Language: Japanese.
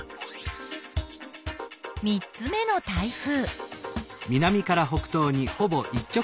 ３つ目の台風。